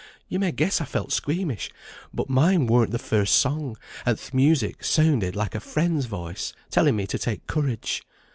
You may guess I felt squeamish, but mine weren't the first song, and th' music sounded like a friend's voice, telling me to take courage.